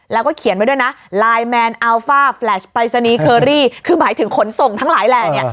แล้วก็เขียนไว้ด้วยนะไลน์แมนอัลฟ่าแฟลชปรายศนีย์เคอรี่คือหมายถึงขนส่งทั้งหลายแหล่เนี่ย